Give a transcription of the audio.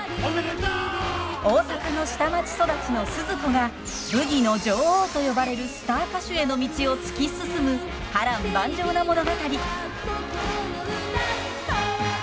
大阪の下町育ちのスズ子がブギの女王と呼ばれるスター歌手への道を突き進む波乱万丈な物語。へいっ！